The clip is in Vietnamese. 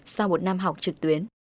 sau một năm học trực tuyến